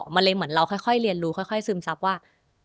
มันเลยเหมือนเราค่อยเรียนรู้ค่อยซึมซับว่า